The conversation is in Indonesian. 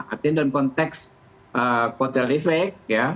artinya dalam konteks kuatel efek